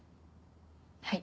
はい。